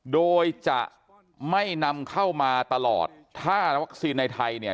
โดยจะไม่นำเข้ามาตลอดถ้าวัคซีนในไทยเนี่ย